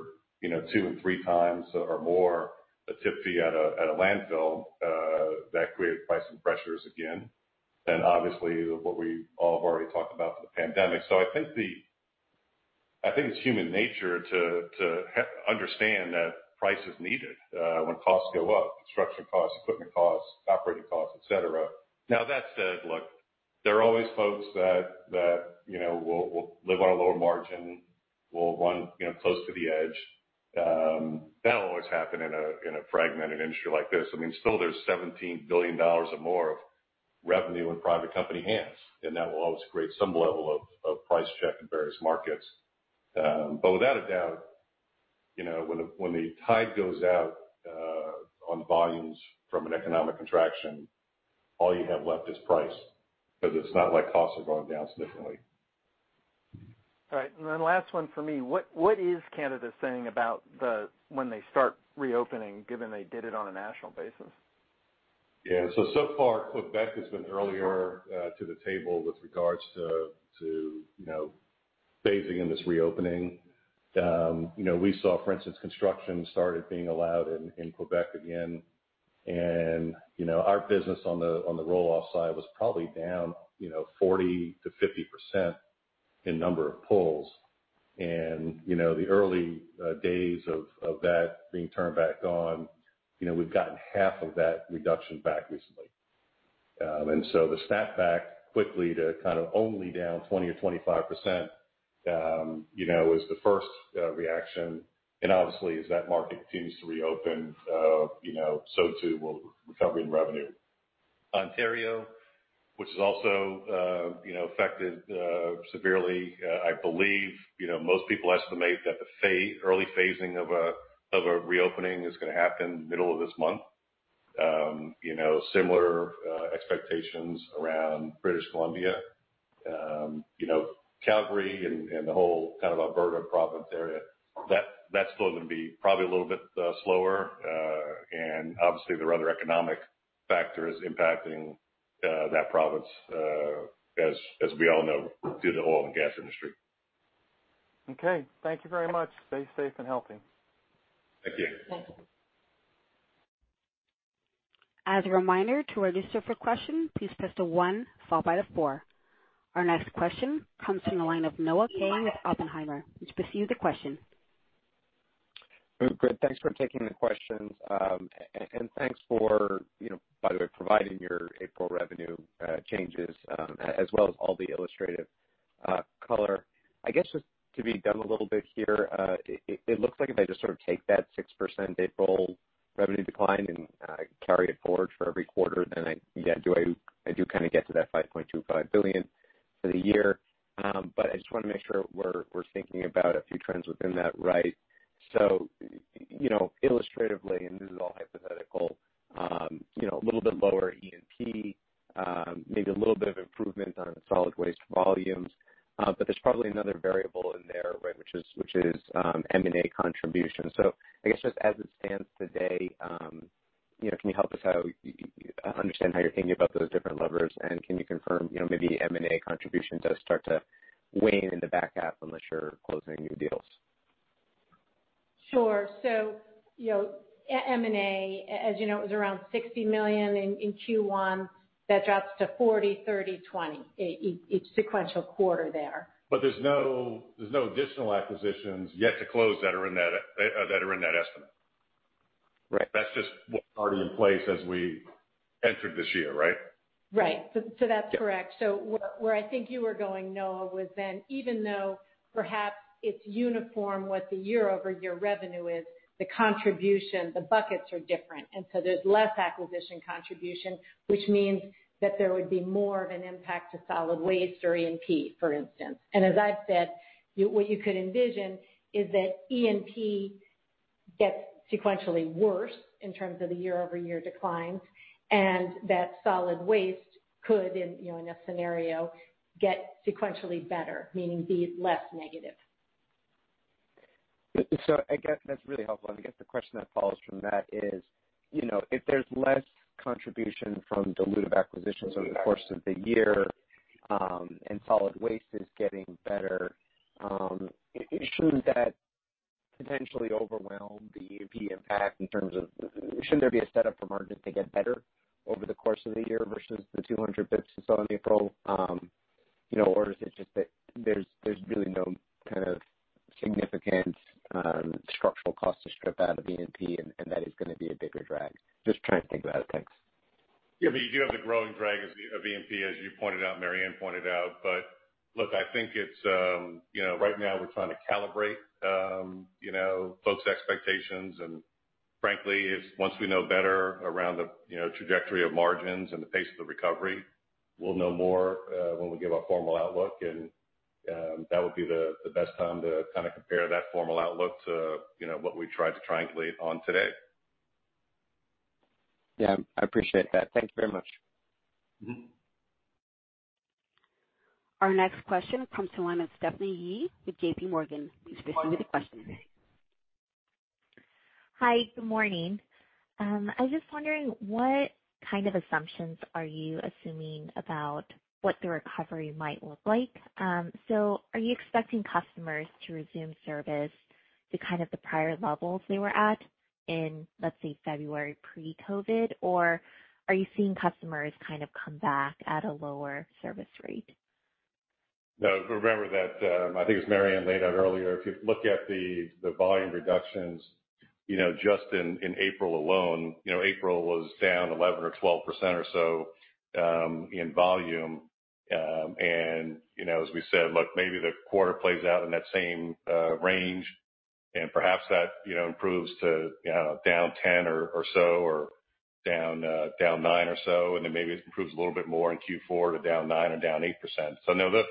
two and three times or more a tip fee at a landfill, that created pricing pressures again. Obviously, what we all have already talked about, the pandemic. I think it's human nature to understand that price is needed when costs go up, construction costs, equipment costs, operating costs, et cetera. That said, look, there are always folks that will live on a lower margin, will run close to the edge. That'll always happen in a fragmented industry like this. There's $17 billion or more of revenue in private company hands. That will always create some level of price check in various markets. Without a doubt, when the tide goes out on volumes from an economic contraction, all you have left is price, because it's not like costs are going down significantly. All right. Last one from me. What is Canada saying about when they start reopening, given they did it on a national basis? Yeah. So far, Quebec has been earlier to the table with regards to phasing in this reopening. We saw, for instance, construction started being allowed in Quebec again, and our business on the roll-off side was probably down 40% to 50% in number of pulls. The early days of that being turned back on, we've gotten half of that reduction back recently. The snap back quickly to kind of only down 20% or 25% was the first reaction. Obviously, as that market continues to reopen, so too will recovery in revenue. Ontario which is also affected severely. I believe most people estimate that the early phasing of a reopening is going to happen middle of this month. Similar expectations around British Columbia. Calgary and the whole Alberta province area, that's still going to be probably a little bit slower. Obviously, there are other economic factors impacting that province, as we all know, through the oil and gas industry. Okay. Thank you very much. Stay safe and healthy. Thank you. Thank you. As a reminder, to register for questions, please press the one followed by the four. Our next question comes from the line of Noah Kaye with Oppenheimer. Please proceed with the question. Great. Thanks for taking the questions. Thanks for, by the way, providing your April revenue changes as well as all the illustrative color. I guess just to be dumb a little bit here, it looks like if I just sort of take that 6% April revenue decline and carry it forward for every quarter, then I do get to that $5.25 billion for the year. I just want to make sure we're thinking about a few trends within that, right? Illustratively, and this is all hypothetical, a little bit lower E&P, maybe a little bit of improvement on solid waste volumes. There's probably another variable in there, right? Which is M&A contribution. I guess just as it stands today, can you help us out understand how you're thinking about those different levers? Can you confirm, maybe M&A contribution does start to wane in the back half unless you're closing new deals? Sure. M&A, as you know, it was around $60 million in Q1. That drops to $40 million, $30 million, $20 million, each sequential quarter there. There's no additional acquisitions yet to close that are in that estimate. Right. That's just what's already in place as we entered this year, right? Right. That's correct. Where I think you were going, Noah, was then, even though perhaps it's uniform what the year-over-year revenue is, the contribution, the buckets are different. There's less acquisition contribution, which means that there would be more of an impact to solid waste or E&P, for instance. As I've said, what you could envision is that E&P gets sequentially worse in terms of the year-over-year declines, and that solid waste could, in a scenario, get sequentially better, meaning be less negative. I guess that's really helpful. I guess the question that follows from that is, if there's less contribution from dilutive acquisitions over the course of the year, and solid waste is getting better, shouldn't that potentially overwhelm the E&P impact? Shouldn't there be a setup for margin to get better over the course of the year versus the 200 basis points you saw in April? Is it just that there's really no kind of significant structural cost to strip out of E&P and that is going to be a bigger drag? Just trying to think it out. Thanks. Yeah. You do have the growing drag of E&P, as you pointed out and Mary Anne pointed out. Look, I think right now we're trying to calibrate folks' expectations. Frankly, once we know better around the trajectory of margins and the pace of the recovery, we'll know more when we give our formal outlook. That would be the best time to kind of compare that formal outlook to what we tried to translate on today. Yeah, I appreciate that. Thank you very much. Our next question comes to the line of Stephanie Yee with JPMorgan. Please proceed with the question. Hi. Good morning. I was just wondering what kind of assumptions are you assuming about what the recovery might look like? Are you expecting customers to resume service to kind of the prior levels they were at in, let's say, February pre-COVID? Or are you seeing customers kind of come back at a lower service rate? No, remember that, I think it was Mary Anne laid out earlier, if you look at the volume reductions just in April alone, April was down 11% or 12% or so in volume. As we said, look, maybe the quarter plays out in that same range and perhaps that improves to down 10% or so, or down 9% or so, then maybe it improves a little bit more in Q4 to down 9% or down 8%. No,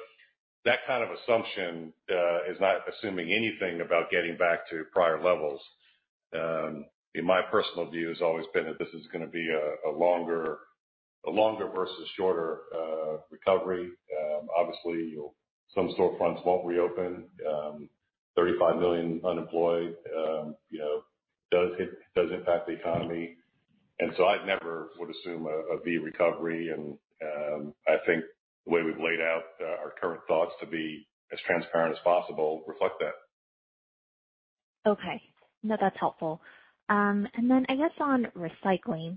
that kind of assumption is not assuming anything about getting back to prior levels. My personal view has always been that this is going to be a longer versus shorter recovery. Obviously, some storefronts won't reopen. 35 million unemployed does impact the economy. I never would assume a V recovery, and I think the way we've laid out our current thoughts to be as transparent as possible reflect that. Okay. No, that's helpful. I guess on recycling.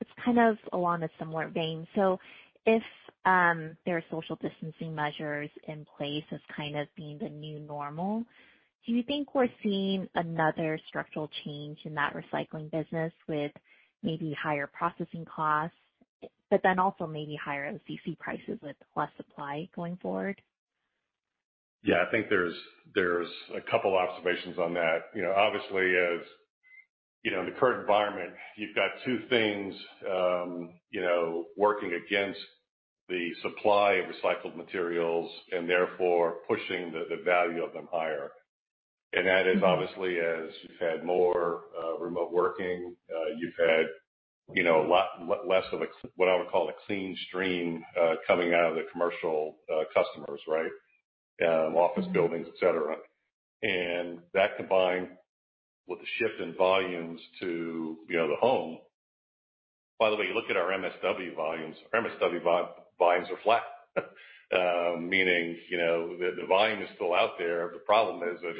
It's kind of along a similar vein. If there are social distancing measures in place as kind of being the new normal, do you think we're seeing another structural change in that recycling business with maybe higher processing costs, but then also maybe higher OCC prices with less supply going forward? Yeah, I think there's a couple observations on that. Obviously, as you know, in the current environment, you've got two things working against the supply of recycled materials and therefore pushing the value of them higher. That is obviously as you've had more remote working, you've had a lot less of a, what I would call a clean stream, coming out of the commercial customers, right? Office buildings, et cetera. That combined with the shift in volumes to the home. Look at our MSW volumes. Our MSW volumes are flat. Meaning, the volume is still out there. The problem is that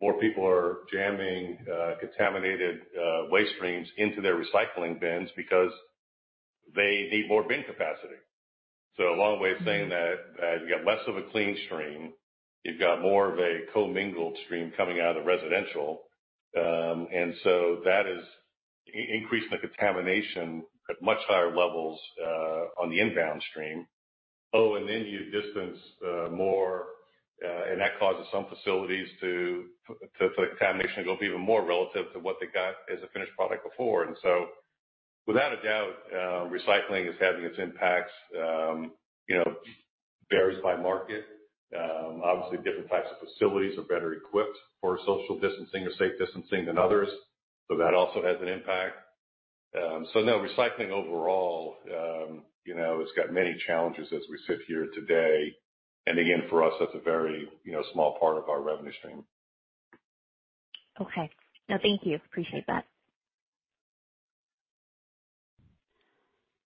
more people are jamming contaminated waste streams into their recycling bins because they need more bin capacity. A long way of saying that you got less of a clean stream, you've got more of a co-mingled stream coming out of the residential. That is increasing the contamination at much higher levels on the inbound stream. You distance more, and that causes some facilities the contamination to go up even more relative to what they got as a finished product before. Without a doubt, recycling is having its impacts, varies by market. Obviously, different types of facilities are better equipped for social distancing or safe distancing than others, so that also has an impact. No, recycling overall, it's got many challenges as we sit here today. Again, for us, that's a very small part of our revenue stream. Okay. No, thank you. Appreciate that.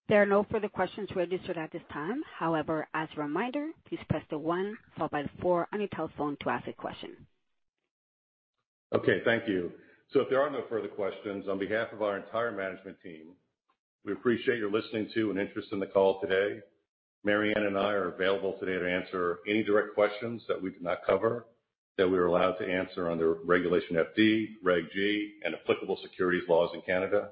There are no further questions registered at this time. As a reminder, please press the one followed by the four on your telephone to ask a question. Okay, thank you. If there are no further questions, on behalf of our entire management team, we appreciate your listening to and interest in the call today. Mary Anne and I are available today to answer any direct questions that we did not cover that we are allowed to answer under Regulation FD, Reg G, and applicable securities laws in Canada.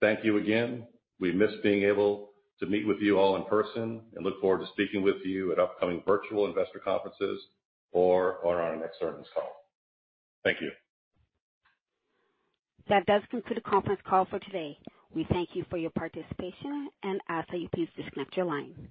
Thank you again. We miss being able to meet with you all in person and look forward to speaking with you at upcoming virtual investor conferences or on our next earnings call. Thank you. That does conclude the conference call for today. We thank you for your participation and ask that you please disconnect your line.